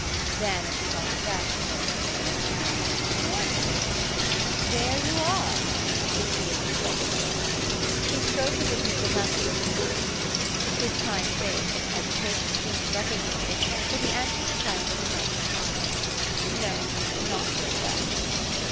Then as she thought afresh: "Can't she come even to the door now?" "There you are!" Mrs. Beale exclaimed to Sir Claude. She spoke as if his dilemma were ludicrous. His kind face, in a hesitation, seemed to recognise it; but he answered the child with a frank smile. "No not very well."